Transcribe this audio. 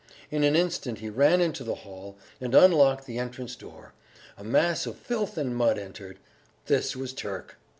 In an instant he ran into the hall, and unlocked the entrance door.... A mass of filth and mud entered.... This was Turk!